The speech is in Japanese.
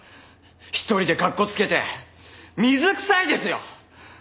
一人でかっこつけて水くさいですよ！